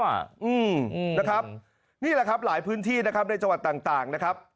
อืมนะครับนี่แหละครับหลายพื้นที่นะครับในจังหวัดต่างนะครับ